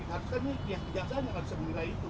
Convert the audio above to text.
harusnya ini kejaksaan yang harus diberi itu